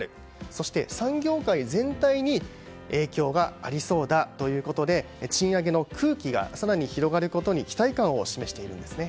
そして、産業界全体に影響がありそうだ、ということで賃上げの空気が更に広がることに期待感を示しているんですね。